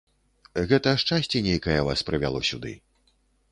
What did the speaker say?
Гэта шчасце нейкае вас прывяло сюды.